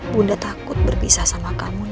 bunda takut berpisah sama kamu